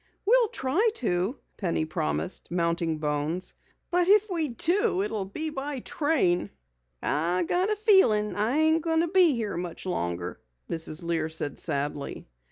"We'll try to," Penny promised, mounting Bones. "But if we do it will be by train." "I got a feeling I ain't goin' to be here much longer," Mrs. Lear said sadly.